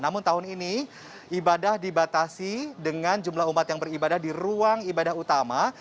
namun tahun ini ibadah dibatasi dengan jumlah umat yang beribadah di ruang ibadah utama